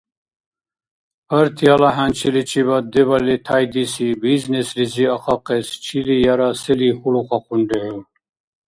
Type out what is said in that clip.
Партияла хӀянчиличибад дебали тяйдиси бизнеслизи ахъахъес чили яра сели хьулрухъахъунри хӀу?